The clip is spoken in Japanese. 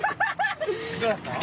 どうだった？